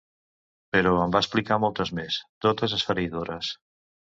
Però en va explicar moltes més, totes esfereïdores.